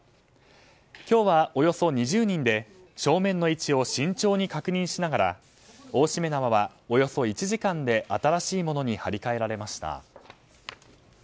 今日は、およそ２０人で正面の位置を慎重に確認しながら、大しめ縄はおよそ１時間で新しいものに張り替えられました。